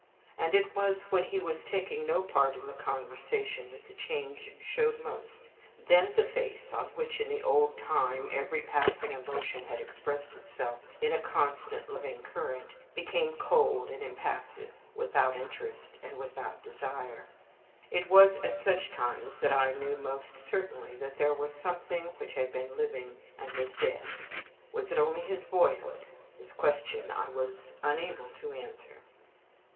And it was when he was taking no part in the conversation that the change showed most. Then the face, on which in the old time every passing emotion had expressed itself in a constant, living current, became cold and impassive without interest, and without desire. It was at such times that I knew most certainly that here was something which had been living and was dead. Was it only his boyhood? This question I was unable to answer.